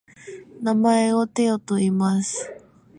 名前をテョといいます。